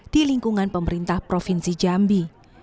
di lingkungan pemerintah provinsi jambi